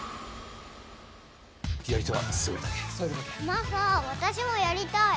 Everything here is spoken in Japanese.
マサ私もやりたい。